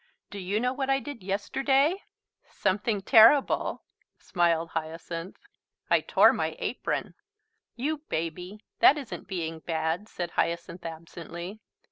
Do you know what I did yesterday?" "Something terrible!" smiled Hyacinth. "I tore my apron." "You baby! That isn't being bad," said Hyacinth absently.